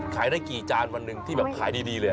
ขายได้กี่จานวันหนึ่งที่แบบขายดีเลย